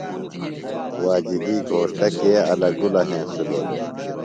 واجدی گھوݜٹہ کے الہ گُلہ ہنسِلوۡ دےۡ؟